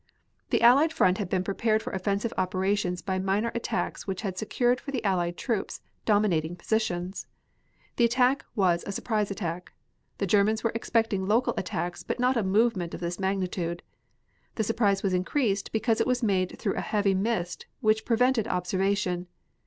The Allied front had been prepared for offensive operations by minor attacks which had secured for the Allied troops dominating positions. The attack was a surprise attack. The Germans were expecting local attacks but not a movement of this magnitude. The surprise was increased because it was made through a heavy mist which prevented observation.